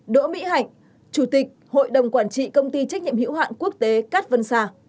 đỗ mỹ hạnh chủ tịch hội đồng quản trị công ty trách nhiệm hữu hạn quốc tế cát vân sa